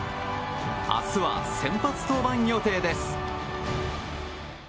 明日は先発登板予定です。